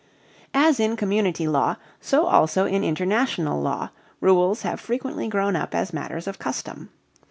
As in community law so also in international law rules have frequently grown up as matters of custom.